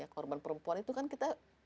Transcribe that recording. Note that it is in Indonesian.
korban perempuan itu kan kita